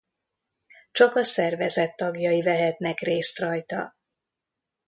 Csak a szervezet tagjai vehetnek részt rajta.